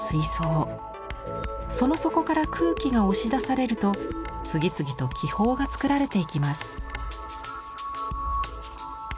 その底から空気が押し出されると次々と気泡が作られていきます。